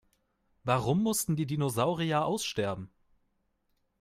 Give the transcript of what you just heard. Warum mussten die Dinosaurier aussterben?